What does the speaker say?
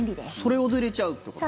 それごと入れちゃうってこと？